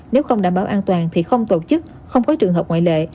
nếu không đảm bảo an toàn thì không tổ chức không có trường hợp ngoại lệ